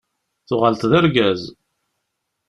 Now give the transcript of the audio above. Tuɣaleḍ d argaz!